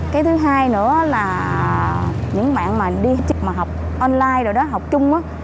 cái thứ hai nữa là những bạn mà đi học online rồi đó học chung á